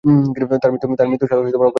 তার মৃত্যু সাল অজ্ঞাত রয়েছে।